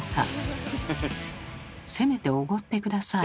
せめておごって下さい。